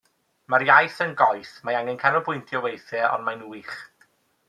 Mae'r iaith yn goeth, mae angen canolbwyntio weithiau ond mae'n wych.